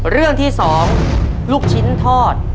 เรื่องที่๒ลูกชิ้นทอด